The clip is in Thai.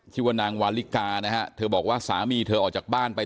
ชื่อว่านางวาลิกานะฮะเธอบอกว่าสามีเธอออกจากบ้านไป